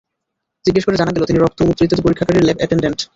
জিজ্ঞেস করে জানা গেল, তিনি রক্ত, মূত্র ইত্যাদি পরীক্ষাগারের ল্যাব অ্যাটেনডেন্ট।